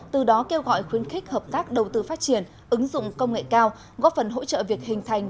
từ đó kêu gọi khuyến khích hợp tác đầu tư phát triển ứng dụng công nghệ cao góp phần hỗ trợ việc hình thành